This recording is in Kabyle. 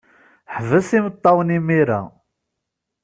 Ḥbes imeṭṭawen imir-a.